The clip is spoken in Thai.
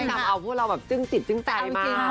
ที่ทำเอาพวกเราจึ้งจิตจึ้งใจมาก